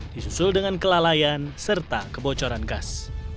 disusul dengan kelalaian serta kebocoran gas